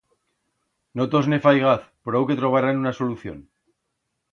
No tos ne faigaz, prou que trobarán una solución.